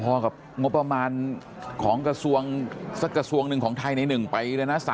พอกับงบประมาณของกระทรวงสักกระทรวงหนึ่งของไทยใน๑ปีเลยนะ